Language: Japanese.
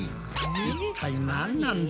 一体なんなんだ？